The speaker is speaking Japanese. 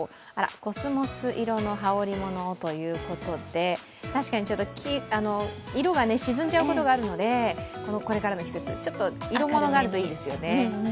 コスモス色の羽織り物をということで確かに色が沈んじゃうことがあるのでこれからの季節、色物があるといいですよね。